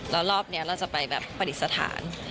แล้วรอบนี้เราจะไปแบบปฏิสถาน